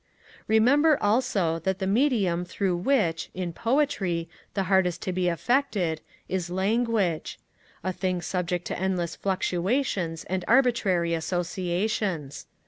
Remember, also, that the medium through which, in poetry, the heart is to be affected, is language; a thing subject to endless fluctuations and arbitrary associations.